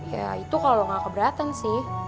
ya itu kalo gak keberatan sih